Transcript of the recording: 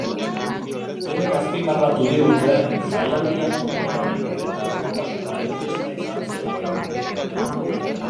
Denek azpimarratu digu, jaialdia sormenaren eta askatasunaren festa izan zela.